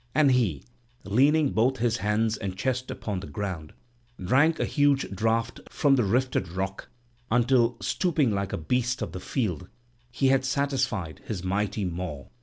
And he, leaning both his hands and chest upon the ground, drank a huge draught from the rifted rock, until, stooping like a beast of the field, he had satisfied his mighty maw."